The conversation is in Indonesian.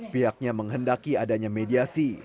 pihaknya menghendaki adanya mediasi